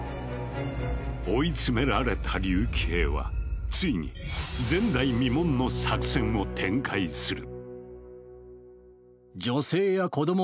追い詰められた竜騎兵はついに前代未聞の作戦を展開する。